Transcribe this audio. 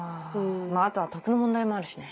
あとは徳の問題もあるしね。